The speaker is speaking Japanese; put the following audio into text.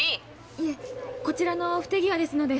いえこちらの不手際ですので。